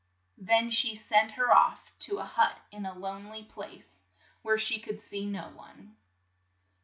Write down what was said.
Then she sent her off to a hut in a lone ly place, where she could see no one.